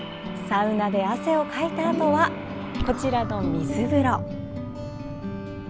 サウナで汗をかいたあとはこちらの水風呂。